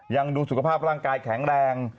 ยังดูสุขภาพร่างกายแข็งแรง